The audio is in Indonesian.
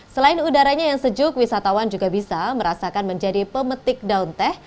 selain udaranya yang sejuk wisatawan juga bisa merasakan menjadi pemetik daun teh